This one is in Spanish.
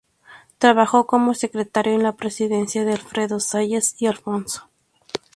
Trabajó como secretario en la presidencia de Alfredo Zayas y Alfonso.